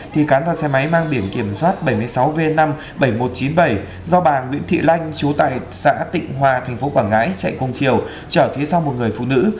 thì cán vào xe máy mang biển kiểm soát bảy mươi sáu v năm mươi bảy nghìn một trăm chín mươi bảy do bà nguyễn thị lanh chú tại xã tịnh hòa tp quảng ngãi chạy cùng chiều chở phía sau một người phụ nữ